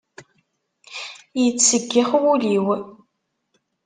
Yettseggix wul-iw.